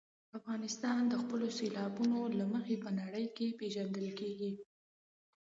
افغانستان د خپلو سیلابونو له مخې په نړۍ کې پېژندل کېږي.